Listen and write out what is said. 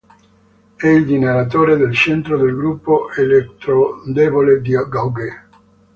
È il generatore del centro del gruppo elettrodebole di gauge.